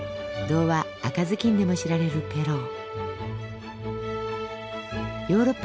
童話「赤ずきん」でも知られるペロー。